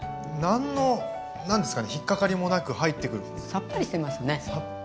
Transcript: さっぱりしてます。